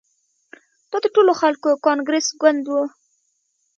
دا د ټولو خلکو کانګرس ګوند وو.